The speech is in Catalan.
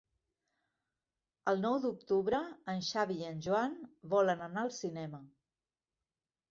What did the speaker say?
El nou d'octubre en Xavi i en Joan volen anar al cinema.